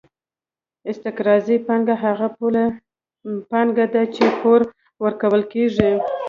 استقراضي پانګه هغه پولي پانګه ده چې پور ورکول کېږي